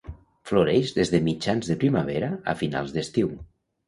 Floreix des de mitjans de primavera a finals d'estiu.